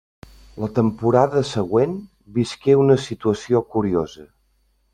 La temporada següent visqué una situació curiosa.